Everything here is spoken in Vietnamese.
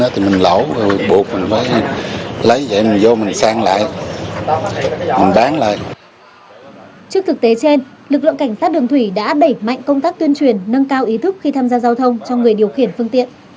trước thực tế trên lực lượng cảnh sát đường thủy đã đẩy mạnh công tác tuyên truyền nâng cao ý thức khi tham gia giao thông cho người điều khiển phương tiện